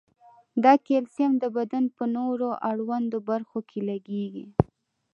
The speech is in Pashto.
دا کلسیم د بدن په نورو اړوندو برخو کې لګیږي.